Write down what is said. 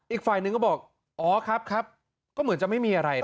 อีกฝ่ายหนึ่งก็บอกอ๋อครับครับก็เหมือนจะไม่มีอะไร